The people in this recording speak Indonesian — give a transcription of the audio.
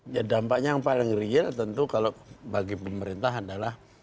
ya dampaknya yang paling real tentu kalau bagi pemerintah adalah